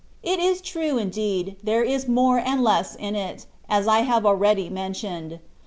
It is true, indeed, there is more and less in it, as I have already mentioned.